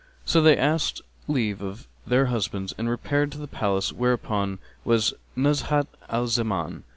So they asked leave of their husbands and repaired to the palace wherein was Nuzhat al Zaman.